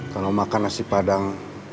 kalau makan nasi padang